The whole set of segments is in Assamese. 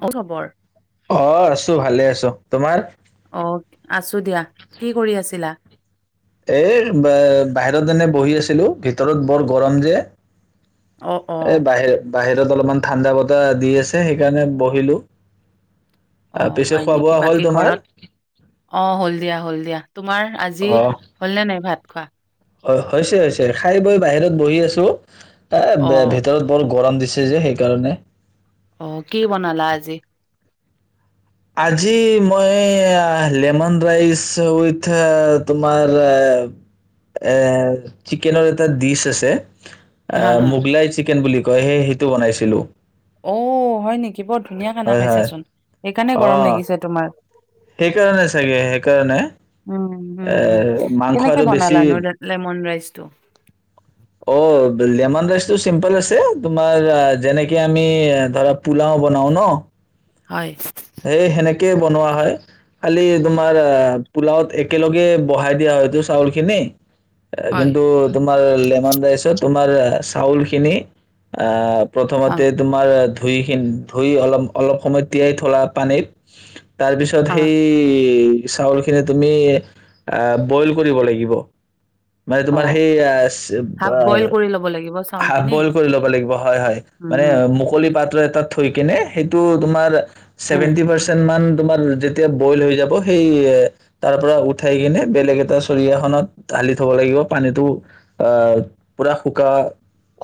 অ খবৰ অ' আছো ভালে আছো তোমাৰ, অ' আছো দিয়া কি কৰি আছিলা? এ বা বাহিৰত এনে বহি আছিলো ভিতৰত বৰ গৰম যে, অ অ এ বাহিৰ বাহিৰত অলপমান ঠাণ্ডা বতাহ দি আছে সেইকাৰণে বহিলো আহ, অ' পিছে হয় খোৱা নেকি, বোৱা হ'ল বাকী তোমাৰ ঘৰত অ হল দিয়া হ'ল দিয়া তোমাৰ আজি হ'লনে নাই ভাত খোৱা। অ' হৈছে হৈছে খাই বৈ বাহিৰত বহি আছো এ অ বে ভিতৰত বৰ গৰম দিছে। আছে যে সেইকাৰণে অ কি বনালা আজি আজি মই আহ-লেমন ৰাইচ উইথ এৰ-তোমাৰ এৰ এৰ চিকেনৰ এটা ডিছ আছে। আ হা হা মোগলাই চিকেন বুলি ক কৈহে সেইটো বনাইছিলোঁ। অ' হয় নেকি! কি বৰ ধুনীয়া খানা হয় খাইছাচোন। সেইকাৰণে অ গৰম লাগিছে তোমাৰ সেইকাৰণে চাগে সেইকাৰণে উম এ হম, হম মাংস কেনেকে আৰু বেছি বনালানো লেমন ৰাইচটো? অ লেমন ৰাইচটো চিম্পল আছে তোমাৰ যেনেকে আমি ধৰা পোলাও বনাও ন'। হয়। সেই সেনেকে বনোৱা হয় খালি তোমাৰ আ্ পোলাওত একেলগে বহাই দিয়া হয়টো চাউল খিনি এ হয় কিন্তু তোমা তোমাৰ লেমন ৰাইচত তোমাৰ চাউল খিনি আ হা প্ৰথমতে তোমাৰ ধুইখিন ধুই অলপ অলপ সময় তিয়াই থলা। পানীত তাৰপিছত হা সেই চাউলখিনি তুমি আহ্ বইল কৰিব লাগিব। মানে অ তোমাৰ সেই হাফ বইল কৰি ল'ব লাগিব চাউল হাফ খিনি বইল কৰি ল'ব লাগিব। হয়, হয় উম মানে উম মুকলি উম পাত্ৰ এটাত থৈ কেনে সেইটো তোমাৰ হা ছেভেণ্টি পাৰ্চেণ্ট মান তোমাৰ যেতিয়া বইল হৈ যাব সেই তাৰ পৰা উঠাই কিনে বেলেগ এটা চৰিয়াখনত ঢালি থব লাগিব পানীটো আহ পুৰা শুকা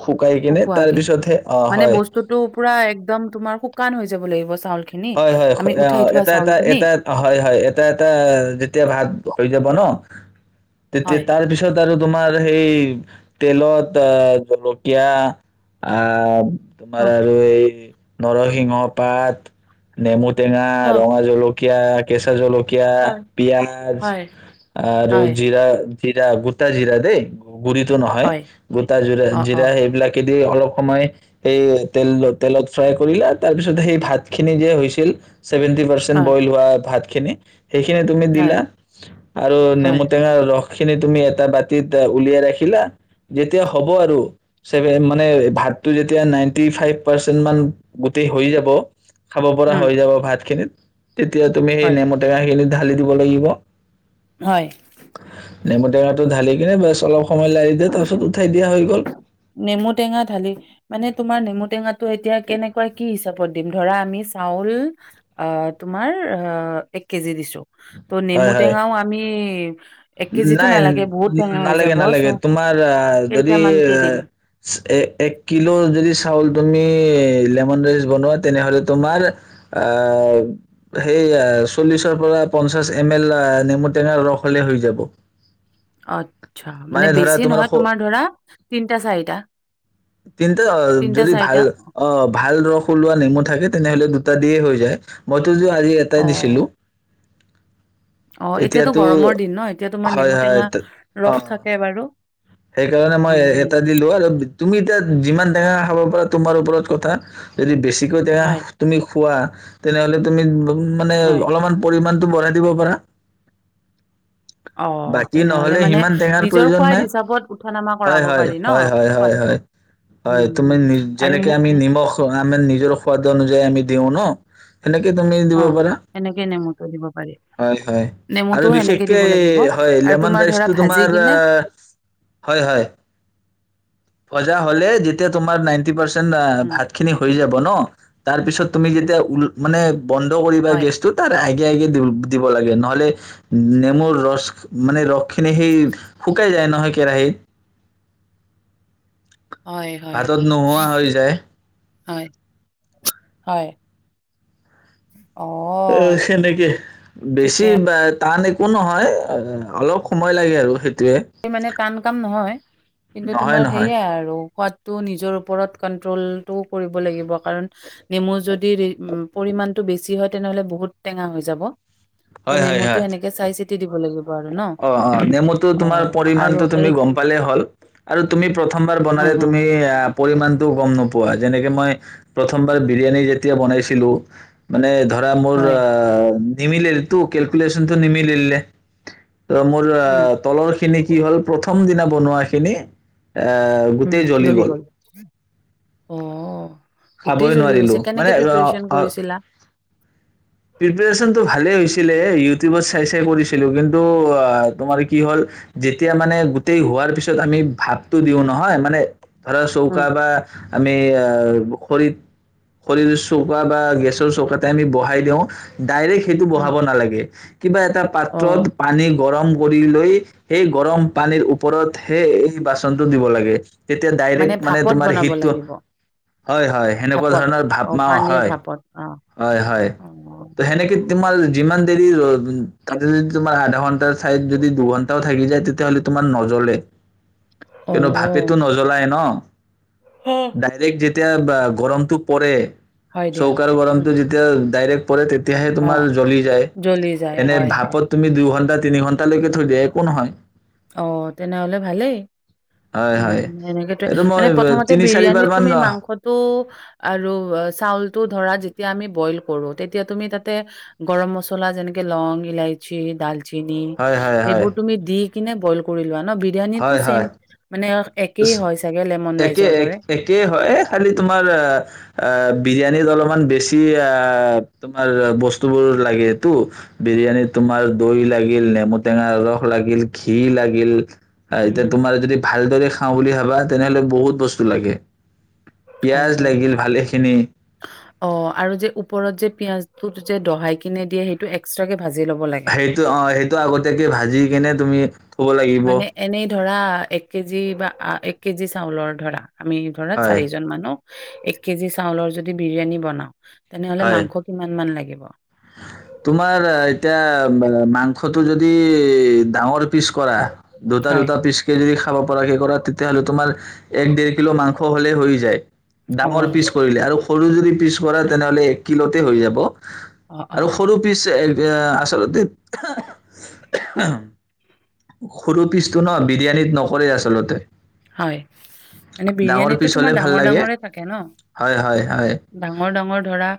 শুকাই কিনে তাৰ শুকুৱাকে পিছতহে অ মানে হয় বস্তুতটো পুৰা একদম তোমাৰ শু শুকান হৈ যাব লাগিব চাউলখিনি। হয় হয় আমি অ উঠাই থোৱা এটা এটা চাউলখিনি এটা হয় হয় এটা এটা যেতিয়া ভাত, যাব ন তেতিয়া হয় তাৰ পিছত, আৰু তোমাৰ সেই তেলত জলকীয়া আ তোমাৰ অ আৰু এই নৰসিংহ পাত নেমু টেঙা হ ৰঙা জলকী য়া কেঁচা জলকীয়া য়া হয় পিয়াজ হয় আৰু হয় জিৰা জিৰা গোটা জিৰা দে! গুড়িতো নহয় হয় গোটা জিৰা অ অ জিৰা সেবিলাকে কেলেই অলপ সময় এই তেল তেলত ফ্ৰাই কৰিলে তাৰপিছত সেই ভাত। খিনি যে হৈছিল চেভেন্টি পাৰচেট হয় বইল হোৱা ভাত। খেনে সেইখিনি তুমি হয় দিলা আৰু হয় নেমু টেঙা ৰস। খিনি তুমি এটা বাতিত উলিয়াই ৰাখিলা যেতিয়া হ'ব আৰু চেভেন মানে ভাত যেতিয়া নাইনটি ফাইভ পাৰ্চেন্নত মান হৈ যাব। খাব পৰা উম হৈ যাব ভাত খিনিত তেতিয়া তুমি সেই হয় নেমুটেঙা খিনি ঢালি দিব লাগিব। হয়। নেমু টেঙাটো ঢালি কিনে বছ অলপ সময় লাৰি দে তাৰপছত উঠাই দিয়া হৈ গ'ল নেমু টেঙা ঢালি মানে তোমাৰ নেমু টেঙাটো এতিয়া কেনেকুৱা কি হিচাপত দিম ধৰা আমি চাউল অহ তোমাৰ অহ এক কেজি দিছো ত' নেমু হয় হয় টেঙাও আমি। উৱা নাই নালাগে চ' নালাগে তোমাৰ যদি। কেইটামানকে দিম এ এক কিলোৰ যদি চাউল তুমি লেমন ৰাইচ বনোৱা তেনেহলে তোমাৰ আহ সেই চল্লিশৰ পৰা পঞ্চাশ এম এল নেমু টেঙাৰ ৰস হলে হৈ যাব। অ। আত্ছা মানে বেছি নহয় তোমাৰ ধৰা তিনটা চাৰিটা। তিনিটা অ যদি ভাল অ ভাল ৰস ওলোৱা নেমু থাকে তেনেহ'লে। দুটা দিয়ে হৈ যায় মই আজি এটাই দিছিলো। অ', অ এতিয়াতো গৰমৰ দিন ন এতিয়া তোমাৰ হয় হয় নেমুটেঙা ত- ৰস অ থাকে বাৰু সেইকাৰণে মই হো এ- হো। এটা দিলো আৰু বি- তুমি এতিয়া যিমান টেঙা খাব পাৰা তোমাৰ ওপৰত কথা যদি বেছি তিকো তেয়া হয়, তুমি খোৱা তেনেহলে তুমি। মানে হয়। অলপমান পৰিমাণ টো বঢ়াই দিব পাৰা অ', বাকী তেনেহ'লে নহলে মানে সিমান টেঙাৰ নিজৰ প্ৰয়োজন সোৱাদ নাই হিচাপত উঠা-নমা হয় কৰাব হয় পাৰি ন হয় হয় সোৱাদটো? হয় হয় হুম, তুমি হুম আৰু যেনেকে মো আমি মো নিমখ আমাৰ নিজৰ সাদ অনুযায়ী আমি। দেওঁ ন। এনেকে তুমি দিব অ', পাৰা সেনেকে নেমুটো দিব পাৰি। হয় হয় আৰু নেমুটোও সেনেকে বিশেষকে। দিব লাগিব হয় আৰু লেমন তোমাৰ ধৰা ৰাইচটো ভাজি তোমাৰ কিনে হয় হয় ভজা হলে যেতিয়া তোমাৰ নাইন নাইন্টি পাৰ্চেন্ট উম, ভাতখিনি হৈ যাব ন তাৰপিছত তুমি যেতিয়া উল মানে বন্ধ কৰিবা হয়, গেছটো তাৰ [inaudible] দিব লাগে নহলে নেমুৰ ৰস মানে ৰসখিনি সেই শুকাই যায় নহয় কেৰাহিত হয়, হয়, পাছত নোহোৱা হৈ যায়। হয় হয়। অ' সেনেকে বেছি ঠিকে বা টান একো নহয় অলপ সময় লাগে আৰু সেই, মানে টান কাম নহয় কিন্তু নহয় তোমাৰ নহয় সেয়াই আৰু কত, টো নিজৰ ওপৰত কন্ট্ৰলটোও কৰিব লাগিব কাৰণ নেমু যদি উম পৰিমাণটো বেছি হয় তেনেহলে বহুত টেঙা হৈ যাব। ত' হয় হয় নেমুটো হয় এনেনেকে চাই- চিতি দিব লাগিব আৰু ন। অ অ নেমুটো তোমাৰ অ' আৰু পৰিমাণটো এই গম পালেই হল আৰু তুমি প্ৰথমবাৰৰ হা, বনালে হা, তুমি হা, পৰিমাণটো তই কিয় গম নোপোৱা যেনেকে মই প্ৰথমবাৰ বিৰিয়ানী যেতিয়া বনাইছিলো মানে ধৰ। এয়া মোৰ হয়, অঅ। নিমিলিল। তু কেলকুলেচনটো নিমিলিলে। [unintelligible] উম। ‌ তলৰখিনি কি হ'ল। প্ৰথমদিনা বনোৱাখিনি। এ গোটেই জ্বলি গ'ল। অহ। খাবই গোটেই জ্বলি নোৱাৰিলো গৈছে মানে কেনেকে প্ৰিপাৰেচন কৰিছিলা? প্ৰেপ্ৰাৰেচনটো ভালেই হৈছিলে ইউটিউবত চাই চাই কৰিছিলোঁ কিন্তু তোমাৰ কি হ'ল যেতিয়া মানে গোটেই হোৱাৰ পিছত আমি ভাতটো দিওঁ নহয় মানে। ধৰা চৌকা উম, বা আমি খৰিত খৰিৰ চৌকা বা গেছৰ চৌকাতে আমি বহাই দিওঁ। উম। [unintelligible] সেইটো উম, বহাব নালাগে। কিবা এটা পাত্ৰত অ' পানী গৰম কৰি লৈ সেই গৰম পানীৰ ওপৰত হে এই বাচনটো দিব লাগে। তেতিয়া ডাইৰেক্ট মানে ভাপত তোমাৰ বনাব হিটটো, লাগিব, হয় হয় সেনেকুৱা ভাপত। ধৰণৰ ভাৱ অ' মা পানীৰ হয়। ভাপত, অ', হয় হয় অ', টো সেনেকে তোমাৰ যিমান। [unintelligible] দেৰি ৰৈ তাতে যদি তোমাৰ আধা ঘন্টা ঠাইত যদি দুঘণ্টাও থাকি যায়, তেতিয়াহ'লে তোমাৰ নজ্বলে। কিন্তু ভাপেটো অ', নজ্বলাই নহ। হ, ডাইৰেক্ট যেতিয়া। কেতিয়াবা গৰমটো পৰে। হয় দিয়া। চৌকাৰ গৰম। উম, যেতিয়া ডাইৰেক্ট। যেতিয়া পৰে তেতিয়াহে অ'। তোমাৰ জ্বলি যায় জ্বলি যায়, এনে হয়, হয়। ভাপত তুমি দুঘণ্টা। তিনিঘণ্টালৈকে থৈ দিয়া একো নহয়। অ' তেনেহ'লে ভালেই। হয় হয় উম সেনেকেটোয়ে এইটো মই মানে প্ৰথমতে তিনি চাৰিবাৰ বিৰিয়ানীত মান তুমি হয় মাংসটো আৰু চাউলটো। ধৰা যেতিয়া আমি বইল কৰোঁ তেতিয়া তুমি তাতে গৰমমছলা যেনেকে লং, ইলাচী, ডালচেনি। চেনি হয় হয় এইবোৰ তুমি দি। কিনে বইল কৰি লোৱা। বিৰিয়ানীটো হয় চেইম হয় মানে অ একে এক একে হয় খালি তোমাৰ আ আহ বিৰিয়ানীত অলপমান বেছি আহ তোমাৰ বস্তুবোৰ লাগেতো বিৰিয়ানীত তোমাৰ দৈ লাগিল, নেমু টেঙা ৰস লাগিল, ঘি লাগিল। আ উম, এতিয়া তোমাৰ যদি ভালদৰে বুলি ভাবা তেনেহ'লে বহুত বস্তু লাগে। পিয়াঁজ অ', লাগিল ভালেখিনি। অ' আৰু যে ওপৰত যে পিয়াজঁটো যে দহাই কিনে দিয়ে সেইটো এক্সট্ৰাকে ভাজি ল'ব লাগে? সেইটো অ সেইটো আগতীয়াকে ভাজি কেনে তুমি থব লাগিব। মানে এনেই ধৰা এক কেজি বা এক কেজি চাউলৰ ধৰা আমি ধৰাত হয় চাৰিজন মানুহ। এক কেজি চাউলৰ যদি বিৰিয়ানী বনাও। তেনেহলে হয় মাংস কিমান মান লাগিব? অ'। তোমাৰ এতিয়া মাংসটো যদি ডাঙৰ পিচ কৰা দুটা হয় দুটা পিচকে যদি খাব পৰা কে কৰা তেতিয়াহলে তোমাৰ এক দেৰ কিলো মাংস হ'লেই হৈ যায়। অ ডাঙৰ পিচ কৰিলে আৰু সৰু যদি পিছ কৰে তেনেহ'লে কি'লতে হৈ যাব। অ অ আৰু সৰু পিছ এক এয়া আচলতে সৰু পিচটো ন বিৰিয়ানীত নকৰে আচলতে হয়, মানে ডাঙৰ বিৰিয়ানীতো পিচ তোমাৰ হ'লে ভাল ডাঙৰ লাগে ডাঙৰে থাকে ন। হয় হয় হয় ডাঙৰ ডাঙৰ ধৰা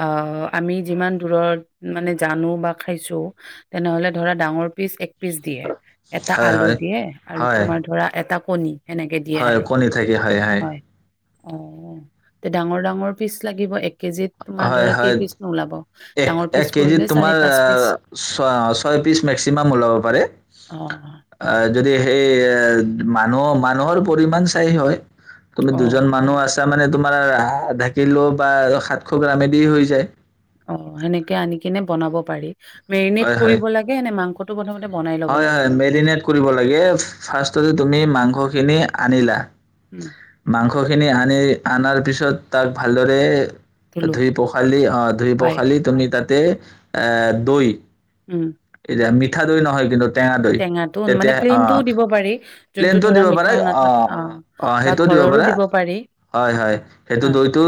অ্ অ্ আমি যিমান দূৰত মানে জানো বা খাইছো তেনেহ'লে ধৰা ডাঙৰ পিচ এক পিচ দিয়ে এটা হয় আলু হয় দিয়ে আৰু হয় তুমাৰ ধৰা এটা পনি এনেকে দিয়ে হয় আৰু কণী থাকে হয়, হয়। অ' তে ডাঙৰ ডাঙৰ পিচ লাগিব এক কেজিত তোমাৰ হয় ধৰা হয় কেই পিচমান ওলাব এক ডাঙৰ পিচ এক কেজিত কৰিলে চাৰি তোমাৰ পাঁচ পিচ ছয় পিচ মেক্সিমাম ওলাব পাৰে অ', যদি সেই এ মানুহ মানুহৰ পৰিমাণ চাই হয় তুমি অ', দুজন মানুহ আছ তাৰ মানে তোমাৰ আধাকিলো বা সাতশ গ্ৰামেদি হৈ যায়। অ', সেনেকে আনি কিনে বনাব পাৰি। মেৰিনেট হয় হয় কৰিব লাগে নে মাংস [unintelligible] হয়, হয়, মেৰিনেট কৰিব লাগে ফাৰ্ষ্টতে তুমি মাং মাংখখিনি আনিলা উম, মাংসখিনি আনি আনাৰ পিছত তাক ভালদৰে ধুলো ধুই পখালি, অ', ধুই হয়, পখালি তুমি তাত তে এ দৈ উম। মিঠা দৈ নহয় [unintelligible] টেঙা দৈ টেঙাটো মানে তেতিয়া অ প্লেইনটোও দিব পাৰি, যোনটো প্লেনটো ধৰা দিব পাৰা মিঠাও অ নাথাক অ বা সেইটো দিব ঘৰৰো পাৰা পাৰি হয় হয় সেইটো হা, দৈটো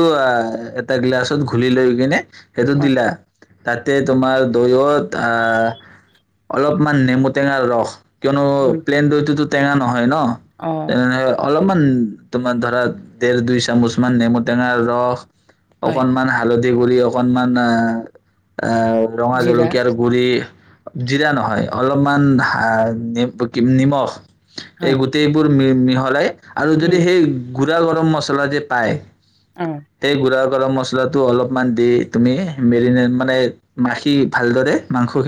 এটা গিলাচত ঘুলি লৈ কিনে সেইটো অ', দিলা। তাতে তোমাৰ দৈও আ, অলপ, মান নেমু টেঙাৰ ৰস, কিয়নো উম, প্লেন দৈ তোত তেঙা নহয় হয় ন অ', তেনেহলে ওলপ তোমাৰ ধৰা দেৰ দুই চামুচ মান নেমুটেঙাৰ ৰস, হয়, অকনমান হালধি বুলি অকনমান আ আ, ৰঙা জিৰা জলকীয়াৰ গুৰি জিৰা নহয়। অলপমান হাৰ এ পতিন নিমখ। হা, এই গোটেইবোৰ মিল মিহলাই আৰু যদি উম, সেই গুৰা গৰম মছলা যে পায়। অ', সেই গুৰাৰ গৰম মছলাটো অলপমান দি, তুমি মেৰিনেট মানে, মাখি ভালদৰে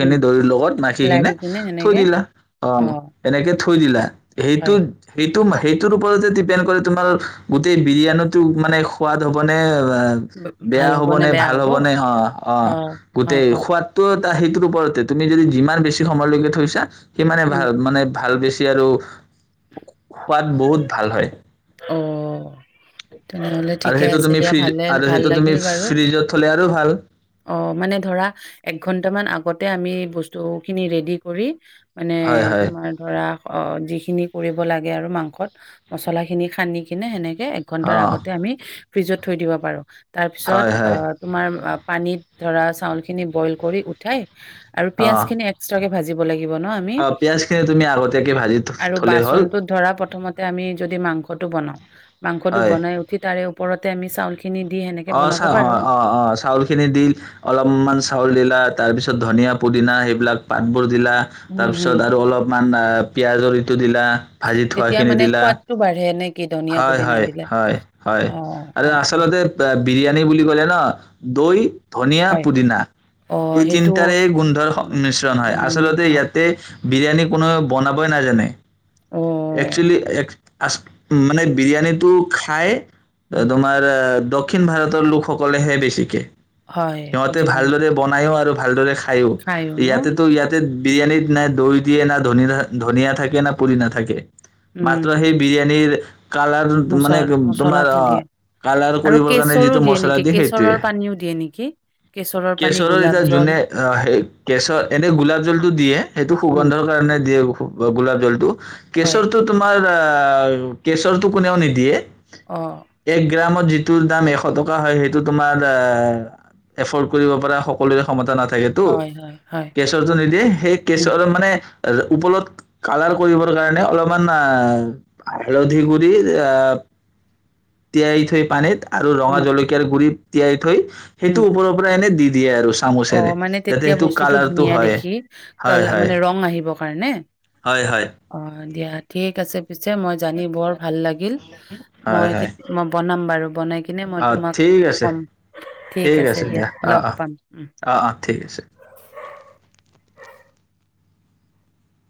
উম, দৈৰ লগত লাৰি মাখিকেনে কিনে থৈ সেনেকে দিলা, অ, এনেকে থৈ দিলা। সেইটো, হয়। সেই তো সেইটো ওপৰতে ডিপেন কৰে তোমাৰ গোটেই বিৰিয়ানী টো মানে সোৱাদ হবনে [inaudible] অ, বেয়া হ'ব নে, ভাল হ'ব নে, অ, অ, অ', গোটেই অ', খুৱাদটোত। তা সেইটো ওপৰতে, তুমি যদি যিমান বেছি সময়লৈকে থৈছা। সিমানে উম। ভাল, মানে ভাল বেছি আৰু সোৱাদ বহুত ভাল হয়। অ, তেনেহ'লে আৰু ঠিকে সেইটো আছে তুমি দিয়া ফ্ৰিজ, ভালে আৰু ভাল সেইটো তুমি লাগিল বাৰু। ফ্ৰিজত থলে আৰু আৰু ভাল অ, মানে ধৰা এক ঘন্টামান আগতে আমি বস্তুখিনি ৰেডি কৰি মানে হয় হয় তোমাৰ ধৰা, অ, যি ইখিনি কৰিব লাগে আৰু মাংসত মছলা খিনি খানি কেনে সেনেকে এই এক ঘণ্টাৰ অ আগতে আমি ফ্ৰিজত থৈ দিব পাৰো। তাৰ পিছত, হয় অ, হয় তোমাৰ পানীত ধৰা চাউলখিনি বইল কৰি উঠাই আৰু অ পিয়াজ খিনি এক্সট্ৰা কে ভাজিব লাগিব ন আমি, অ পিয়াজখিনি তুমি আগতীয়াকে ভাজি থ- আৰু থলে হ'ল বাচনটোত ধৰা প্ৰথমতে আমি যদি মাং ঘৰতো বনাওঁ মাংসটো হয় বনাই উঠি তাৰে পৰতে আমি চাউল অ', চা অ', অ', অ', চাউল খিনি দি অলপমান চাউল দিলা তাৰ পিছত ধনিয়া, পুদিনা সেইবিলাক পাতবোৰ দিলা, উম, তাৰপিছত হুম। আৰু অলপমান না, পিয়াজৰ ইটো দিল লা, ভাজি তেতিয়া থোৱাখিনি মানে দিলা, সোৱাদটো বাঢ়ে নে কি ধনিয়া হয়, পুদিনা হয়, দিলে? হয়, হয়, অ', আৰু অ', অ'। আচলতে বিৰিয়ানী বুলি ক'লে ন, দৈ, ধনিয়া, হয়, পুদিনা, অ' এই সেইটো তিনিটাৰেই গোন্ধৰ উম, মিশ্ৰণ হয়, উম, আচলতে অ', ইয়াতে বিৰিয়ানী কোনোৱে বনাবই নাজানে। অ'। একচুৱেলি এক আচ-মানে বিৰিয়ানীটো খাই এ, উম, তোমাৰ এ দক্ষিণ ভাৰতৰ লোকসকলেহে বেছিকে। হয় সিহঁতে বুজি পালোঁ, ভালদৰে বনাইয়ো, আৰু ভালদৰে এয়ো। খায়ো ন? ইয়াতেতো ইয়াতে বিৰিয়ানীত নাই দৈ দিয়ে, না ধন ধনিয়া থাকে, না পুদিনা থাকে। উম, মাত্ৰ সেই বিৰিয়ানীৰ কালাৰ মানে তোমাৰ মচ-মচলাটো অ', দিয়ে কালাৰ আৰু কৰিবৰ কাৰণে কেশৰো যিটো মচলা নেকি? দিয়ে, সেইটোৱেই। কেশৰৰ পানীও দিয়ে নেকি? পানী, কেশৰৰ গোলাপ এতিয়া জল, জোনে সেই কেশৰ, এনে গোলাপ জলটো দিয়ে, সেইটো উম, সুগন্ধৰ কাৰণে দিয়ে, সু-গোলাপ জলটো, হয়, কেশৰটো তোমাৰ এ, কেশৰটো কোনেও নিদিয়ে। অ' [unintelligible] যিটো দাম এশ টকা হয় সেইটো তোমাৰ এ, এফৰ্ড। কৰিব পৰা সকলোৰে ক্ষমতা নাথা এটো, হয়, হয়, হয়, কেশৰটো নিদিয়ে সেই উম। কেশৰ মানে ওপলত কালাৰ কৰিবৰ কাৰণে অলপমান আ, হালধি গুৰি আ, তিয়াই থৈ পানীত আৰু ৰঙা উম, জলকীয়াৰ গুৰি তিয়াই থৈ সেইটো উম। ওপৰব এনে দি দিয়ে আৰু। অ চামুচেৰে মানে যাতে তেতিয়া সেইটো বস্তুটো কালাৰটো ধুনীয়া হয় দেখি, হয় কালা হয় মানে ৰং আহিব কাৰণে? হয়, হয়। অ', দিয়া ঠিক আছে পিছে মই জানি বৰ ভাল লাগিল। হয় মই হয় কেত মই বনাম বাৰু। বনাই কিনে মই অঁ তোমাক ঠিক আছে কম। ঠিক আছে দিয়া লগ পাম। উম। আহ, অ ঠিক আছে।